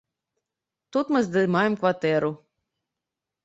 Тут мы здымаем кватэру.